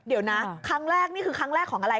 เดี๋ยวนะครั้งแรกนี่คือครั้งแรกของอะไร